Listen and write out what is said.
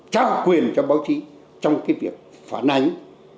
trao quyền cho báo chí trong cái việc phản ánh